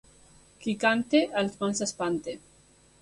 Qui canta els mals espanta.